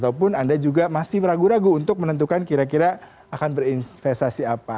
ataupun anda juga masih ragu ragu untuk menentukan kira kira akan berinvestasi apa